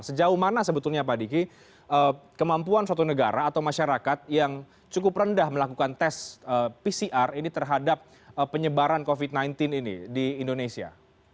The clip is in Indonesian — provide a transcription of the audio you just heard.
sejauh mana sebetulnya pak diki kemampuan suatu negara atau masyarakat yang cukup rendah melakukan tes pcr ini terhadap penyebaran covid sembilan belas ini di indonesia